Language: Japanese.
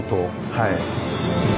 はい。